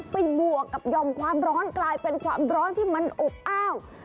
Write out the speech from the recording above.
บวกกับยอมความร้อนกลายเป็นความร้อนที่มันอบอ้าว